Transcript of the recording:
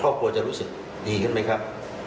ครอบครัวจะรู้สึกดีขึ้นไหมครับ